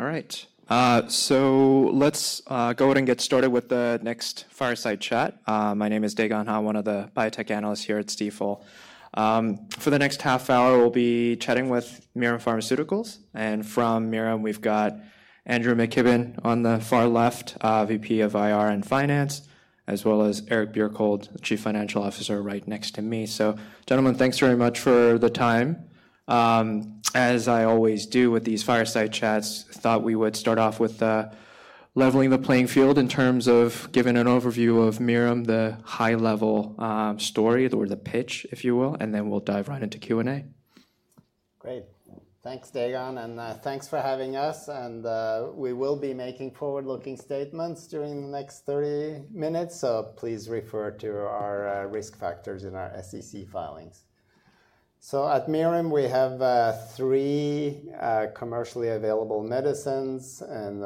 All right. So let's go ahead and get started with the next fireside chat. My name is Dae-Gon Ha, one of the biotech analysts here at Stifel. For the next half hour, we'll be chatting with Mirum Pharmaceuticals. And from Mirum, we've got Andrew McKibben on the far left, VP of IR and Finance, as well as Eric Bjerkholt, Chief Financial Officer, right next to me. So, gentlemen, thanks very much for the time. As I always do with these fireside chats, I thought we would start off with leveling the playing field in terms of giving an overview of Mirum, the high-level story, or the pitch, if you will, and then we'll dive right into Q&A. Great. Thanks, Dae-Gon. And thanks for having us. And we will be making forward-looking statements during the next 30 minutes. So please refer to our risk factors in our SEC filings. So at Mirum, we have three commercially available medicines. And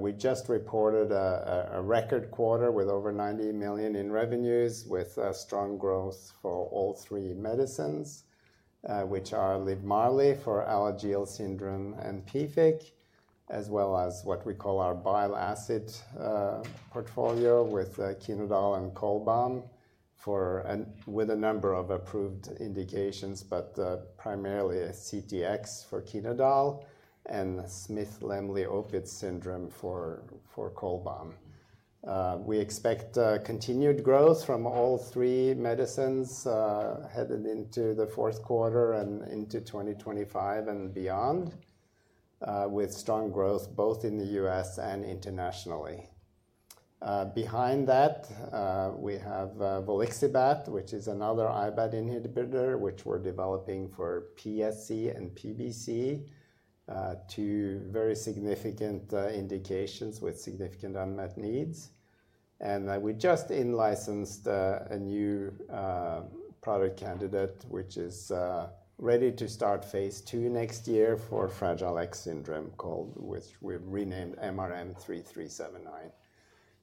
we just reported a record quarter with over $90 million in revenues, with strong growth for all three medicines, which are Livmarli for Alagille syndrome and PFIC, as well as what we call our bile acid portfolio with Chenodal and Cholbam, with a number of approved indications, but primarily CTX for Chenodal and Smith-Lemli-Opitz syndrome for Cholbam. We expect continued growth from all three medicines headed into the fourth quarter and into 2025 and beyond, with strong growth both in the US and internationally. Behind that, we have Volixibat, which is another IBAT inhibitor, which we're developing for PSC and PBC, two very significant indications with significant unmet needs. And we just in-licensed a new product candidate, which is ready to start phase II next year for Fragile X Syndrome, which we've renamed MRM3379.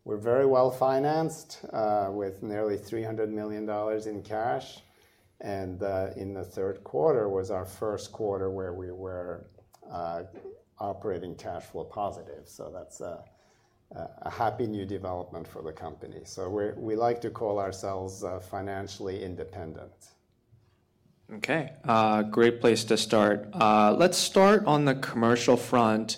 We're very well financed with nearly $300 million in cash. And in the third quarter was our first quarter where we were operating cash flow positive. So that's a happy new development for the company. So we like to call ourselves financially independent. Okay. Great place to start. Let's start on the commercial front.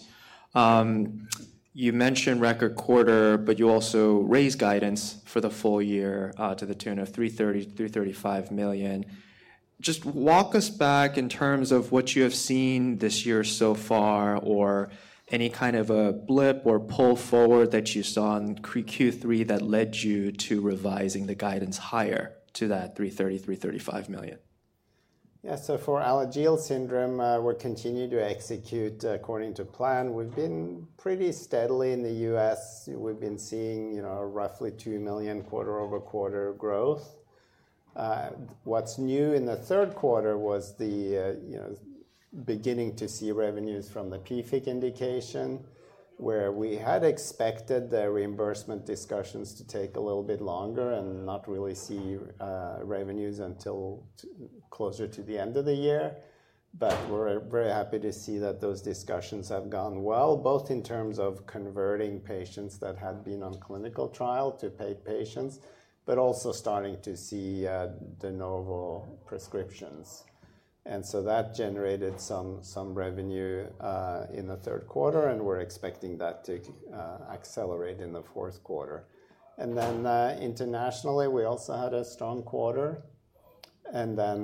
You mentioned record quarter, but you also raised guidance for the full year to the tune of $330-$335 million. Just walk us back in terms of what you have seen this year so far, or any kind of a blip or pull forward that you saw in Q3 that led you to revising the guidance higher to that $330-$335 million. Yeah. So for Alagille syndrome, we're continuing to execute according to plan. We've been pretty steadily in the U.S. We've been seeing roughly $2 million quarter-over-quarter growth. What's new in the third quarter was the beginning to see revenues from the PFIC indication, where we had expected the reimbursement discussions to take a little bit longer and not really see revenues until closer to the end of the year. But we're very happy to see that those discussions have gone well, both in terms of converting patients that had been on clinical trial to paid patients, but also starting to see de novo prescriptions. And so that generated some revenue in the third quarter, and we're expecting that to accelerate in the fourth quarter. And then internationally, we also had a strong quarter. And that's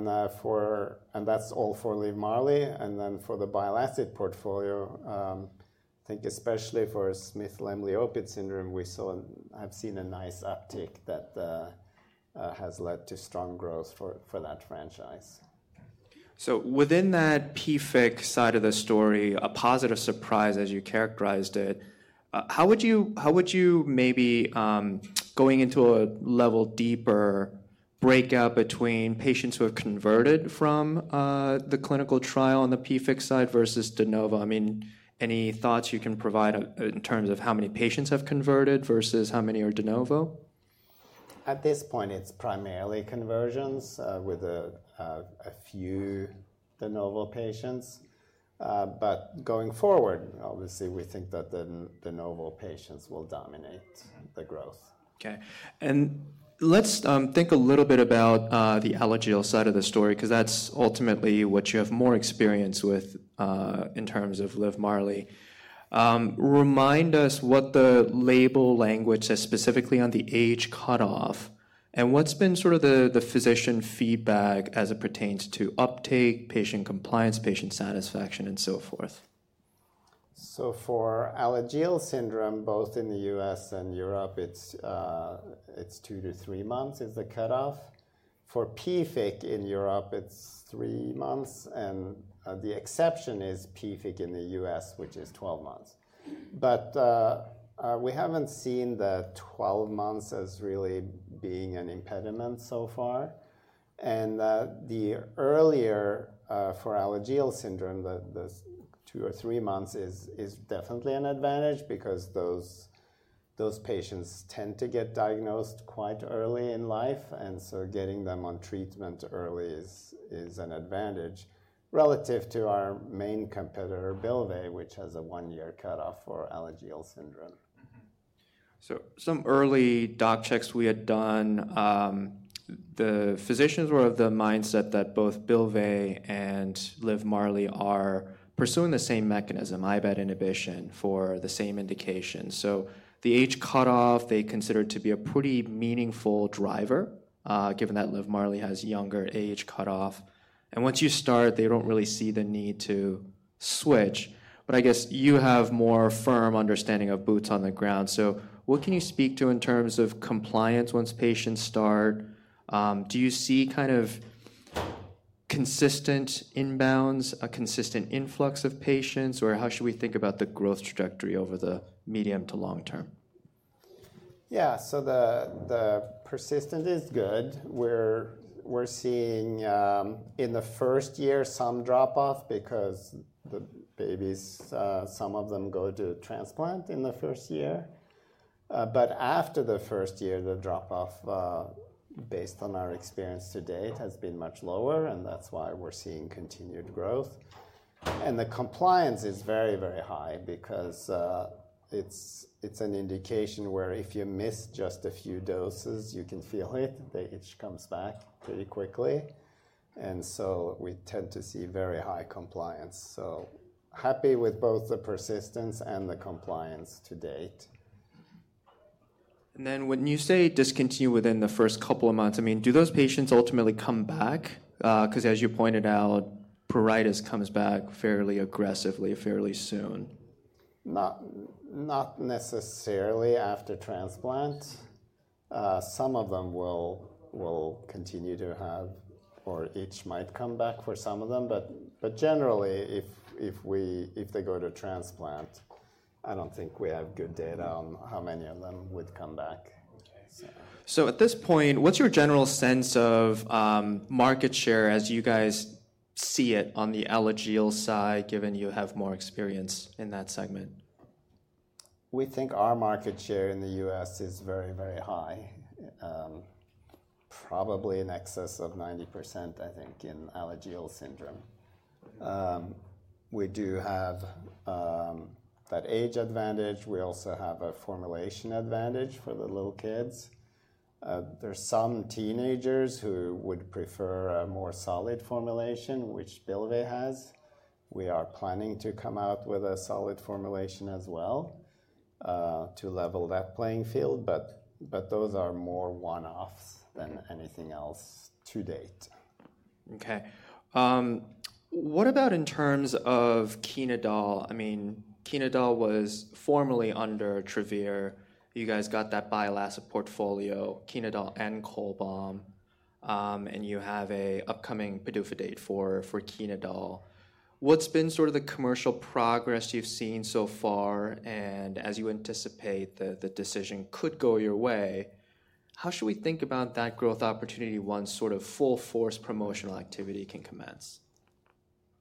all for Livmarli. And then for the bile acid portfolio, I think especially for Smith-Lemli-Opitz syndrome, I've seen a nice uptick that has led to strong growth for that franchise. So within that PFIC side of the story, a positive surprise, as you characterized it. How would you maybe, going into a level deeper, break out between patients who have converted from the clinical trial on the PFIC side versus de novo? I mean, any thoughts you can provide in terms of how many patients have converted versus how many are de novo? At this point, it's primarily conversions with a few de novo patients. But going forward, obviously, we think that the de novo patients will dominate the growth. Okay. And let's think a little bit about the Alagille side of the story, because that's ultimately what you have more experience with in terms of Livmarli. Remind us what the label language says, specifically on the age cutoff, and what's been sort of the physician feedback as it pertains to uptake, patient compliance, patient satisfaction, and so forth. For Alagille syndrome, both in the U.S. and Europe, it's two-to-three months is the cutoff. For PFIC in Europe, it's three months. And the exception is PFIC in the U.S., which is 12 months. But we haven't seen the 12 months as really being an impediment so far. And the earlier for Alagille syndrome, the two or three months is definitely an advantage, because those patients tend to get diagnosed quite early in life. And so getting them on treatment early is an advantage relative to our main competitor, Bylvay, which has a one-year cutoff for Alagille syndrome. So some early doc checks we had done, the physicians were of the mindset that both Bylvay and Livmarli are pursuing the same mechanism, IBAT inhibition, for the same indication. So the age cutoff they consider to be a pretty meaningful driver, given that Livmarli has a younger age cutoff. And once you start, they don't really see the need to switch. But I guess you have a more firm understanding of boots on the ground. So what can you speak to in terms of compliance once patients start? Do you see kind of consistent inbounds, a consistent influx of patients, or how should we think about the growth trajectory over the medium to long term? Yeah. So the persistence is good. We're seeing in the first year some drop-off, because some of them go to transplant in the first year. But after the first year, the drop-off, based on our experience to date, has been much lower. And that's why we're seeing continued growth. And the compliance is very, very high, because it's an indication where if you miss just a few doses, you can feel it. It comes back pretty quickly. And so we tend to see very high compliance. So happy with both the persistence and the compliance to date. Then when you say discontinue within the first couple of months, I mean, do those patients ultimately come back? Because, as you pointed out, pruritus comes back fairly aggressively, fairly soon. Not necessarily after transplant. Some of them will continue to have, or each might come back for some of them. But generally, if they go to transplant, I don't think we have good data on how many of them would come back. So at this point, what's your general sense of market share as you guys see it on the Alagille side, given you have more experience in that segment? We think our market share in the US is very, very high, probably in excess of 90%, I think, in Alagille syndrome. We do have that age advantage. We also have a formulation advantage for the little kids. There are some teenagers who would prefer a more solid formulation, which Bylvay has. We are planning to come out with a solid formulation as well to level that playing field. But those are more one-offs than anything else to date. Okay. What about in terms of Chenodal? I mean, Chenodal was formerly under Travere. You guys got that bile acid portfolio, Chenodal and Cholbam. And you have an upcoming PDUFA date for Chenodal. What's been sort of the commercial progress you've seen so far? And as you anticipate that the decision could go your way, how should we think about that growth opportunity once sort of full-force promotional activity can commence?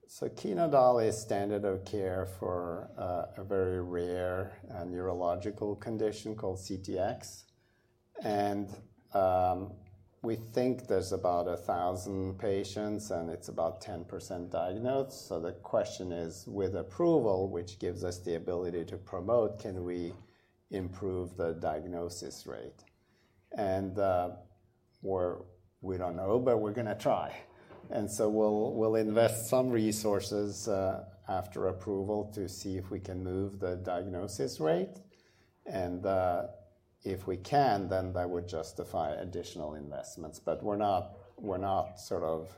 Chenodal is standard of care for a very rare neurological condition called CTX. And we think there's about 1,000 patients, and it's about 10% diagnosed. So the question is, with approval, which gives us the ability to promote, can we improve the diagnosis rate? And we don't know, but we're going to try. And so we'll invest some resources after approval to see if we can move the diagnosis rate. And if we can, then that would justify additional investments. But we're not sort of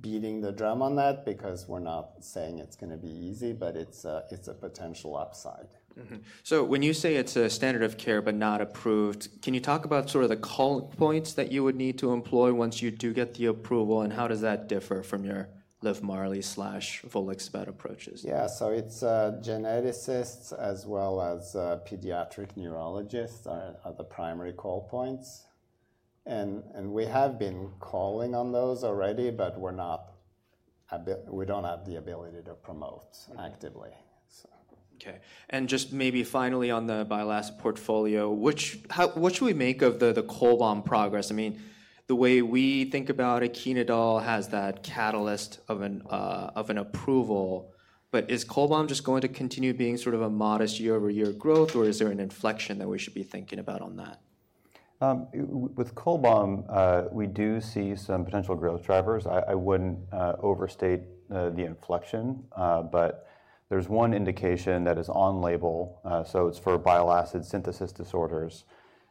beating the drum on that, because we're not saying it's going to be easy, but it's a potential upside. So when you say it's a standard of care but not approved, can you talk about sort of the call points that you would need to employ once you do get the approval? And how does that differ from your Livmarli/Volixibat approaches? Yeah, so it's geneticists as well as pediatric neurologists are the primary call points, and we have been calling on those already, but we don't have the ability to promote actively. Okay. And just maybe finally on the bile acid portfolio, what should we make of the Cholbam progress? I mean, the way we think about it, Chenodal has that catalyst of an approval. But is Cholbam just going to continue being sort of a modest year-over-year growth, or is there an inflection that we should be thinking about on that? With Cholbam, we do see some potential growth drivers. I wouldn't overstate the inflection. But there's one indication that is on label. So it's for bile acid synthesis disorders.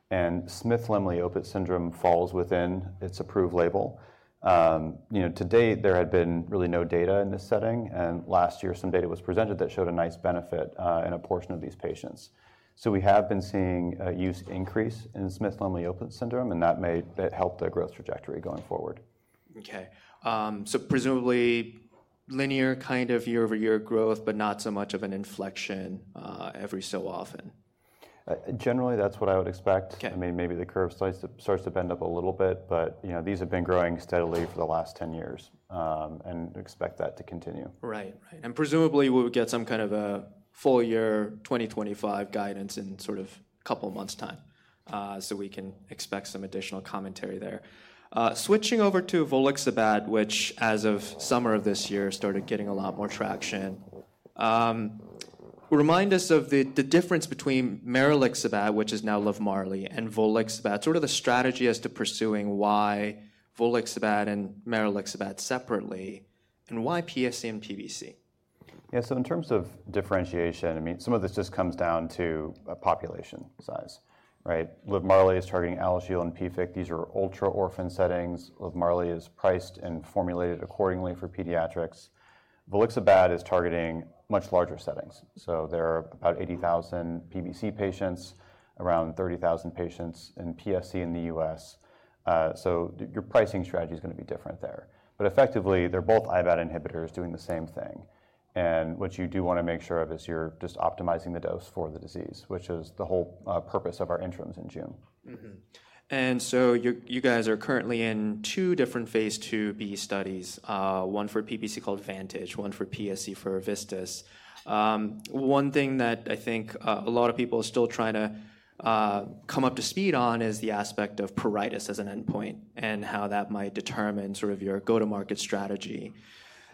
And Smith-Lemli-Opitz syndrome falls within its approved label. To date, there had been really no data in this setting. And last year, some data was presented that showed a nice benefit in a portion of these patients. So we have been seeing use increase in Smith-Lemli-Opitz syndrome, and that may help the growth trajectory going forward. Okay, so presumably linear kind of year-over-year growth, but not so much of an inflection every so often. Generally, that's what I would expect. I mean, maybe the curve starts to bend up a little bit. But these have been growing steadily for the last 10 years and expect that to continue. Right. Right. And presumably, we would get some kind of a full-year 2025 guidance in sort of a couple of months' time. So we can expect some additional commentary there. Switching over to Volixibat, which as of summer of this year started getting a lot more traction. Remind us of the difference between Maralixibat, which is now Livmarli, and Volixibat, sort of the strategy as to pursuing why Volixibat and Maralixibat separately, and why PSC and PBC? Yeah. So in terms of differentiation, I mean, some of this just comes down to population size, right? Livmarli is targeting Alagille and PFIC. These are ultra-orphan settings. Livmarli is priced and formulated accordingly for pediatrics. Volixibat is targeting much larger settings. So there are about 80,000 PBC patients, around 30,000 patients in PSC in the US. So your pricing strategy is going to be different there. But effectively, they're both IBAT inhibitors doing the same thing. And what you do want to make sure of is you're just optimizing the dose for the disease, which is the whole purpose of our interims in June. And so you guys are currently in two different phase II-B studies, one for PBC called VANTAGE, one for PSC for VISTAS. One thing that I think a lot of people are still trying to come up to speed on is the aspect of pruritus as an endpoint and how that might determine sort of your go-to-market strategy.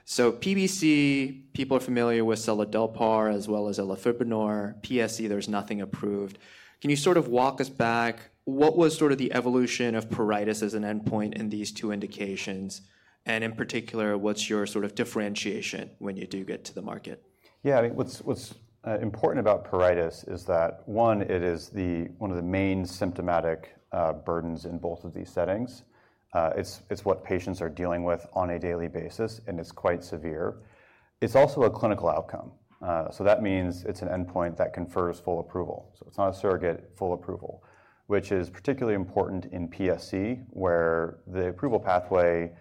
So PBC, people are familiar with Seladelpar as well as Elafibranor. PSC, there's nothing approved. Can you sort of walk us back? What was sort of the evolution of pruritus as an endpoint in these two indications? And in particular, what's your sort of differentiation when you do get to the market? Yeah. I mean, what's important about pruritus is that, one, it is one of the main symptomatic burdens in both of these settings. It's what patients are dealing with on a daily basis, and it's quite severe. It's also a clinical outcome. So that means it's an endpoint that confers full approval. So it's not a surrogate full approval, which is particularly important in PSC, where the approval pathway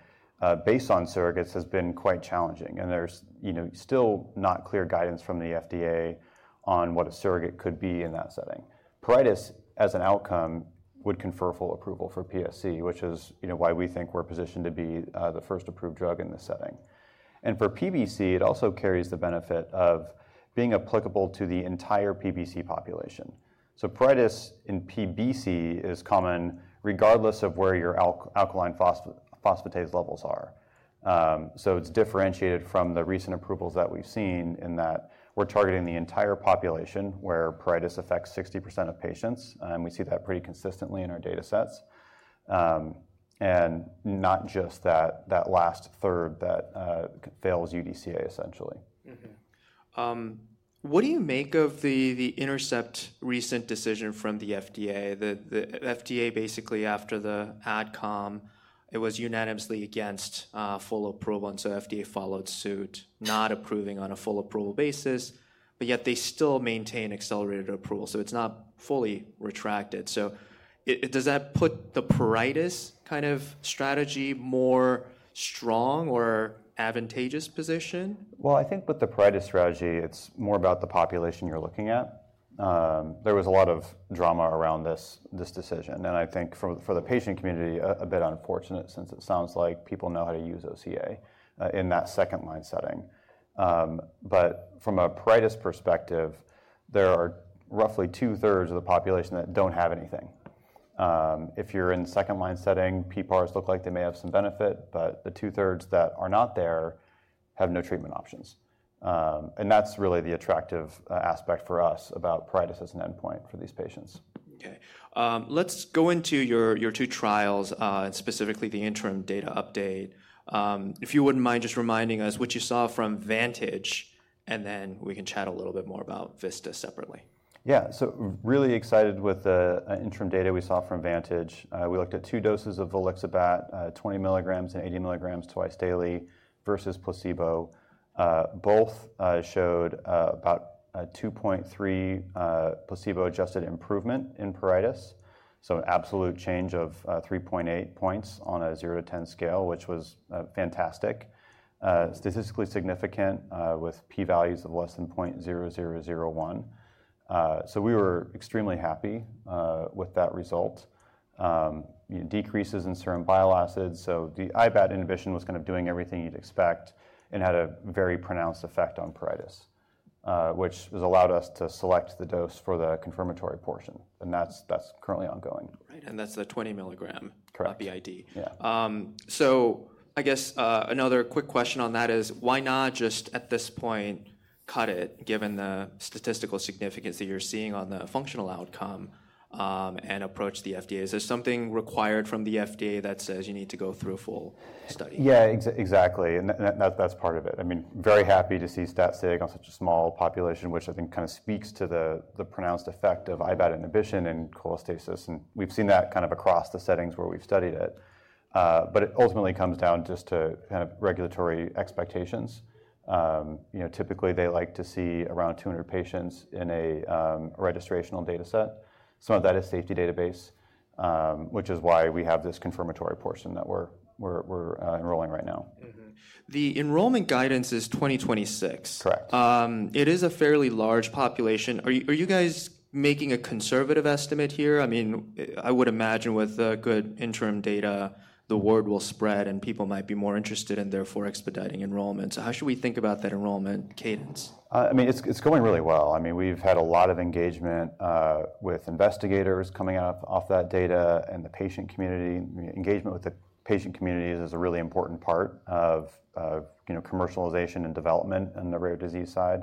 based on surrogates has been quite challenging. And there's still not clear guidance from the FDA on what a surrogate could be in that setting. Pruritus, as an outcome, would confer full approval for PSC, which is why we think we're positioned to be the first approved drug in this setting. And for PBC, it also carries the benefit of being applicable to the entire PBC population. So pruritus in PBC is common regardless of where your alkaline phosphatase levels are. It's differentiated from the recent approvals that we've seen in that we're targeting the entire population, where pruritus affects 60% of patients. We see that pretty consistently in our data sets. Not just that last third that fails UDCA, essentially. What do you make of the Intercept recent decision from the FDA? The FDA, basically, after the adcom, it was unanimously against full approval. And so FDA followed suit, not approving on a full approval basis. But yet they still maintain accelerated approval. So it's not fully retracted. So does that put the pruritus kind of strategy more strong or advantageous position? I think with the pruritus strategy, it's more about the population you're looking at. There was a lot of drama around this decision, and I think for the patient community, a bit unfortunate, since it sounds like people know how to use OCA in that second-line setting. But from a pruritus perspective, there are roughly two-thirds of the population that don't have anything. If you're in the second-line setting, PPARs look like they may have some benefit, but the two-thirds that are not there have no treatment options, and that's really the attractive aspect for us about pruritus as an endpoint for these patients. Okay. Let's go into your two trials, specifically the interim data update. If you wouldn't mind just reminding us what you saw from VANTAGE, and then we can chat a little bit more about VISTAS separately. Yeah. So really excited with the interim data we saw from VANTAGE. We looked at two doses of Volixibat, 20 milligrams and 80 milligrams twice daily versus placebo. Both showed about 2.3 placebo-adjusted improvement in pruritus. So an absolute change of 3.8 points on a 0 to 10 scale, which was fantastic, statistically significant with p-values of less than 0.0001. So we were extremely happy with that result. Decreases in serum bile acid. So the IBAT inhibition was kind of doing everything you'd expect and had a very pronounced effect on pruritus, which has allowed us to select the dose for the confirmatory portion, and that's currently ongoing. Right, and that's the 20 milligram BID. Correct. Yeah. So I guess another quick question on that is, why not just at this point cut it, given the statistical significance that you're seeing on the functional outcome, and approach the FDA? Is there something required from the FDA that says you need to go through a full study? Yeah, exactly. And that's part of it. I mean, very happy to see stat-sig on such a small population, which I think kind of speaks to the pronounced effect of IBAT inhibition and cholestasis. And we've seen that kind of across the settings where we've studied it. But it ultimately comes down just to kind of regulatory expectations. Typically, they like to see around 200 patients in a registrational data set. Some of that is safety database, which is why we have this confirmatory portion that we're enrolling right now. The enrollment guidance is 2026. Correct. It is a fairly large population. Are you guys making a conservative estimate here? I mean, I would imagine with good interim data, the word will spread, and people might be more interested and therefore expediting enrollment. So how should we think about that enrollment cadence? I mean, it's going really well. I mean, we've had a lot of engagement with investigators coming off that data and the patient community. Engagement with the patient community is a really important part of commercialization and development on the rare disease side.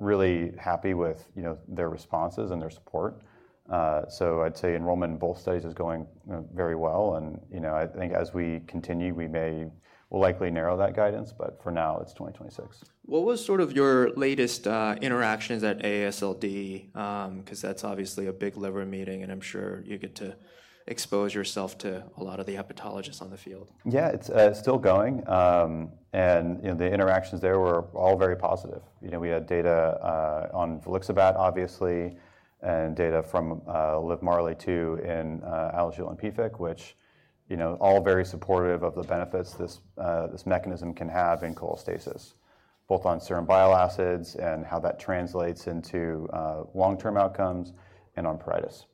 Really happy with their responses and their support, so I'd say enrollment in both studies is going very well, and I think as we continue, we will likely narrow that guidance, but for now, it's 2026. What was sort of your latest interactions at AASLD? Because that's obviously a big liver meeting, and I'm sure you get to expose yourself to a lot of the hepatologists on the field. Yeah. It's still going, and the interactions there were all very positive. We had data on Volixibat, obviously, and data from Livmarli, too, in Alagille and PFIC, which all very supportive of the benefits this mechanism can have in cholestasis, both on serum bile acids and how that translates into long-term outcomes and on pruritus.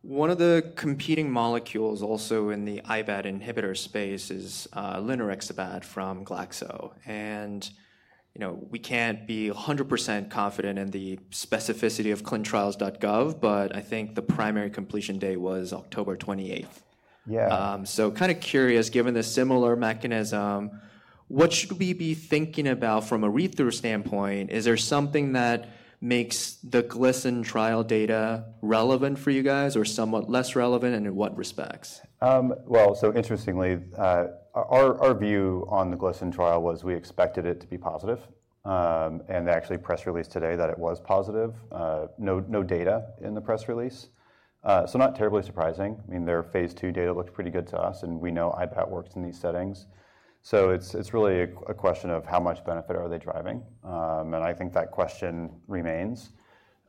One of the competing molecules also in the IBAT inhibitor space is Linarixibat from Glaxo, and we can't be 100% confident in the specificity of clinicaltrials.gov, but I think the primary completion date was October 28. Yeah. So kind of curious, given the similar mechanism, what should we be thinking about from a read-through standpoint? Is there something that makes the GLIMMER trial data relevant for you guys or somewhat less relevant? And in what respects? Interestingly, our view on the GLIMMER trial was we expected it to be positive. They actually press released today that it was positive. No data in the press release. Not terribly surprising. I mean, their phase II data looked pretty good to us, and we know IBAT works in these settings. It's really a question of how much benefit are they driving. I think that question remains.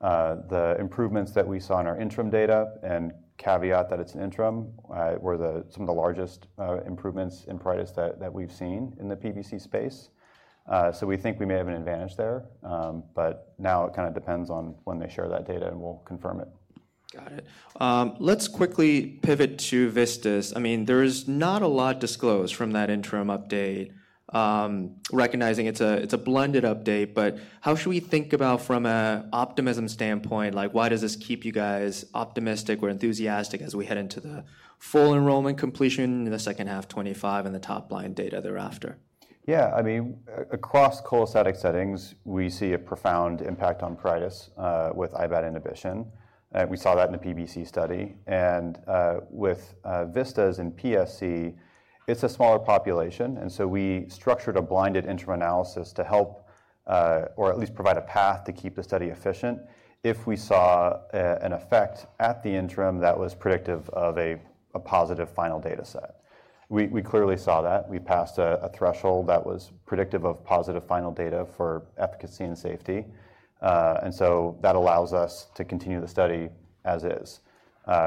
The improvements that we saw in our interim data, and caveat that it's an interim, were some of the largest improvements in pruritus that we've seen in the PBC space. We think we may have an advantage there. Now it kind of depends on when they share that data, and we'll confirm it. Got it. Let's quickly pivot to VISTAS. I mean, there is not a lot disclosed from that interim update, recognizing it's a blended update. But how should we think about from an optimism standpoint? Like, why does this keep you guys optimistic or enthusiastic as we head into the full enrollment completion in the second half 2025 and the top-line data thereafter? Yeah. I mean, across cholestatic settings, we see a profound impact on pruritus with IBAT inhibition. We saw that in the PBC study. And with VISTAS and PSC, it's a smaller population. And so we structured a blinded interim analysis to help, or at least provide a path to keep the study efficient, if we saw an effect at the interim that was predictive of a positive final data set. We clearly saw that. We passed a threshold that was predictive of positive final data for efficacy and safety. And so that allows us to continue the study as is,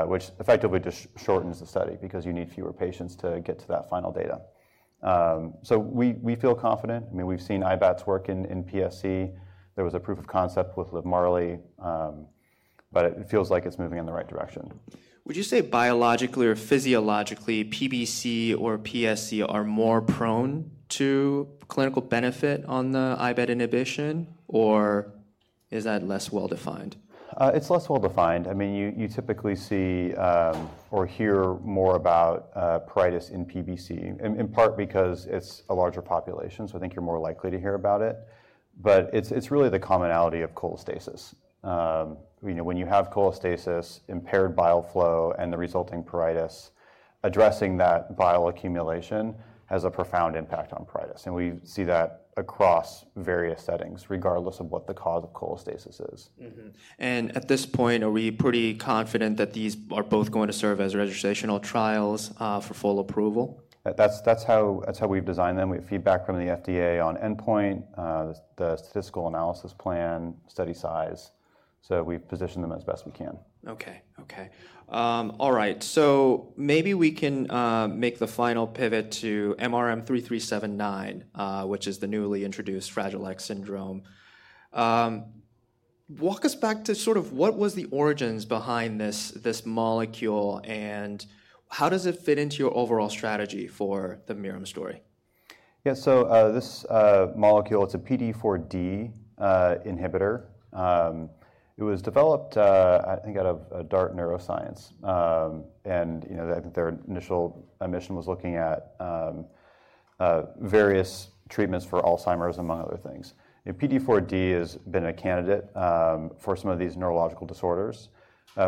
which effectively just shortens the study because you need fewer patients to get to that final data. So we feel confident. I mean, we've seen IBATs work in PSC. There was a proof of concept with Livmarli, but it feels like it's moving in the right direction. Would you say biologically or physiologically PBC or PSC are more prone to clinical benefit on the IBAT inhibition, or is that less well-defined? It's less well-defined. I mean, you typically see or hear more about pruritus in PBC, in part because it's a larger population, so I think you're more likely to hear about it, but it's really the commonality of cholestasis. When you have cholestasis, impaired bile flow, and the resulting pruritus, addressing that bile accumulation has a profound impact on pruritus, and we see that across various settings, regardless of what the cause of cholestasis is. At this point, are we pretty confident that these are both going to serve as registrational trials for full approval? That's how we've designed them. We have feedback from the FDA on endpoint, the statistical analysis plan, study size. So we've positioned them as best we can. So maybe we can make the final pivot to MRM-3379, which is the newly introduced Fragile X syndrome. Walk us back to sort of what was the origins behind this molecule, and how does it fit into your overall strategy for the Mirum story? Yeah. So this molecule, it's a PDE4D inhibitor. It was developed, I think, out of Dart NeuroScience. And I think their initial mission was looking at various treatments for Alzheimer's, among other things. PDE4D has been a candidate for some of these neurological disorders.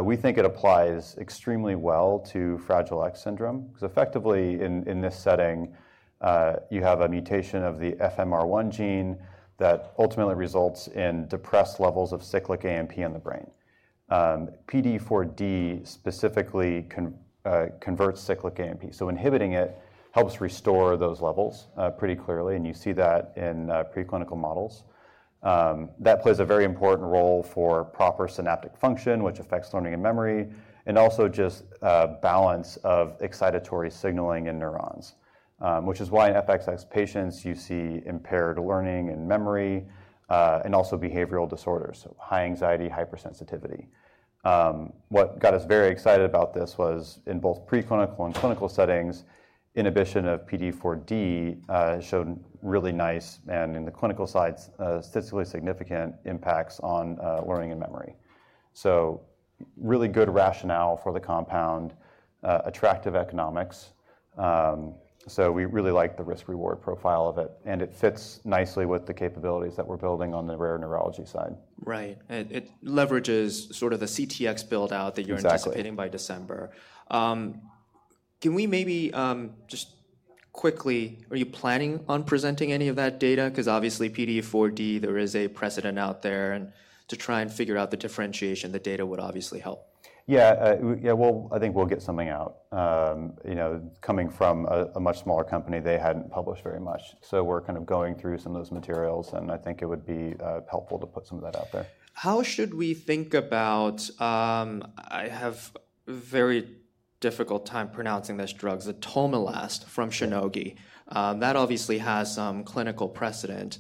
We think it applies extremely well to Fragile X syndrome because effectively, in this setting, you have a mutation of the FMR1 gene that ultimately results in depressed levels of cyclic AMP in the brain. PDE4D specifically converts cyclic AMP. So inhibiting it helps restore those levels pretty clearly. And you see that in preclinical models. That plays a very important role for proper synaptic function, which affects learning and memory, and also just balance of excitatory signaling in neurons, which is why in FXS patients, you see impaired learning and memory and also behavioral disorders, so high anxiety, hypersensitivity. What got us very excited about this was in both preclinical and clinical settings, inhibition of PDE4D showed really nice and, in the clinical side, statistically significant impacts on learning and memory. So really good rationale for the compound, attractive economics. So we really like the risk-reward profile of it. And it fits nicely with the capabilities that we're building on the rare neurology side. Right. It leverages sort of the CTX build-out that you're anticipating by December. Exactly. Can we maybe just quickly, are you planning on presenting any of that data? Because obviously, PDE4D, there is a precedent out there. And to try and figure out the differentiation, the data would obviously help. Yeah, yeah, well, I think we'll get something out. Coming from a much smaller company, they hadn't published very much, so we're kind of going through some of those materials, and I think it would be helpful to put some of that out there. How should we think about, I have a very difficult time pronouncing this drug, Zatolmilast from Shionogi? That obviously has some clinical precedent.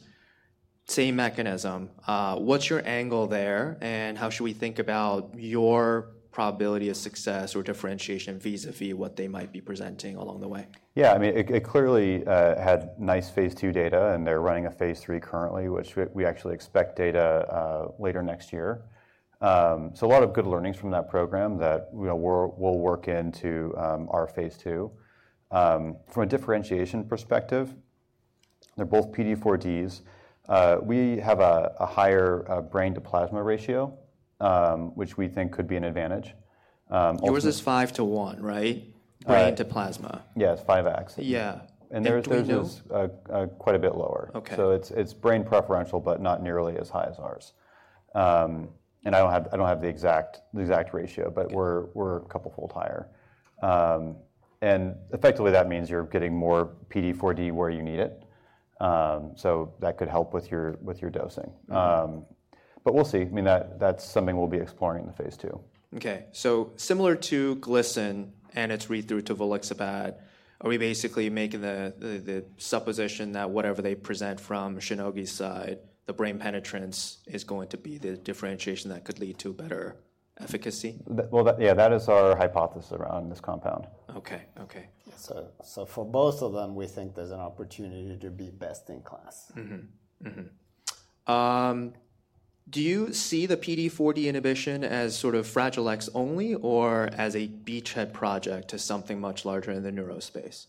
Same mechanism. What's your angle there? And how should we think about your probability of success or differentiation vis-à-vis what they might be presenting along the way? Yeah. I mean, it clearly had nice phase II data. And they're running a phase III currently, which we actually expect data later next year. So a lot of good learnings from that program that we'll work into our phase II. From a differentiation perspective, they're both PDE4Ds. We have a higher brain-to-plasma ratio, which we think could be an advantage. Yours is 5 to 1, right? Right. Brain-to-plasma. Yeah. It's 5x. Yeah. Theirs is quite a bit lower. Okay. So it's brain preferential, but not nearly as high as ours. And I don't have the exact ratio, but we're a couple of fold higher. And effectively, that means you're getting more PDE4D where you need it. So that could help with your dosing. But we'll see. I mean, that's something we'll be exploring in the phase II. Okay. So similar to Glycin and its read-through to Volixibat, are we basically making the supposition that whatever they present from Shionogi's side, the brain penetrance is going to be the differentiation that could lead to better efficacy? Yeah, that is our hypothesis around this compound. Okay. Okay. So for both of them, we think there's an opportunity to be best in class. Do you see the PDE4D inhibition as sort of Fragile X only or as a beachhead project to something much larger in the neuro space?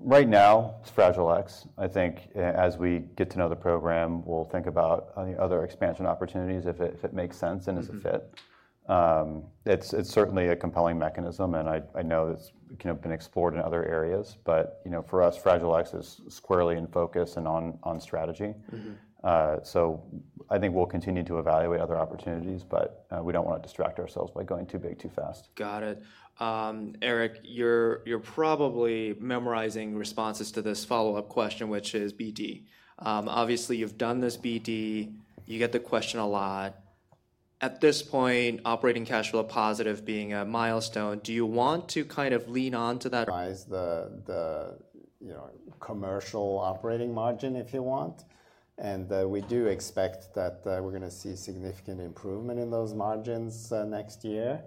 Right now, it's Fragile X. I think as we get to know the program, we'll think about other expansion opportunities if it makes sense and is a fit. It's certainly a compelling mechanism. And I know it's been explored in other areas. But for us, Fragile X is squarely in focus and on strategy. So I think we'll continue to evaluate other opportunities, but we don't want to distract ourselves by going too big, too fast. Got it. Eric, you're probably memorizing responses to this follow-up question, which is BD. Obviously, you've done this BD. You get the question a lot. At this point, operating cash flow positive being a milestone, do you want to kind of lean onto that? Raise the commercial operating margin, if you want, and we do expect that we're going to see significant improvement in those margins next year,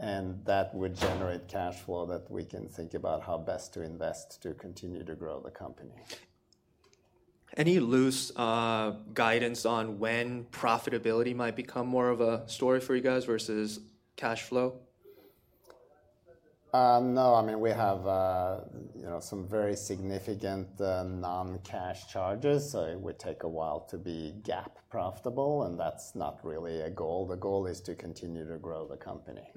and that would generate cash flow that we can think about how best to invest to continue to grow the company. Any loose guidance on when profitability might become more of a story for you guys versus cash flow? No. I mean, we have some very significant non-cash charges. So it would take a while to be GAAP profitable. And that's not really a goal. The goal is to continue to grow the company.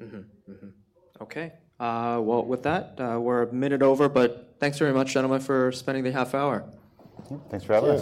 Okay. Well, with that, we're a minute over. But thanks very much, gentlemen, for spending the half hour. Thanks for having us.